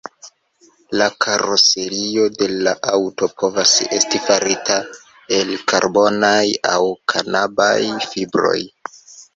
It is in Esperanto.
La karoserio de la aŭto povas esti farita el karbonaj aŭ kanabaj fibroj.